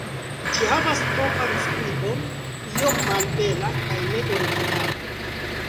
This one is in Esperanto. Ĝi havas propran skribon, iom malbela kaj ne originala.